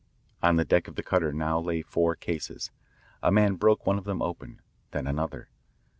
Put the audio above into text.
On the deck of the cutter now lay four cases. A man broke one of them open, then another.